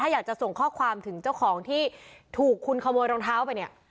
อยากจะส่งข้อความถึงเจ้าของที่ถูกคุณขโมยรองเท้าไปเนี่ย